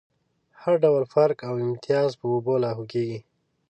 هر ډول فرق او امتياز په اوبو لاهو کېږي.